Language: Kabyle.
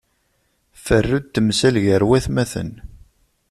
Ferru n temsal gar watmaten.